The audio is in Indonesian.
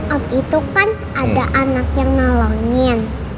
waktu itu kan ada anak yang nolongin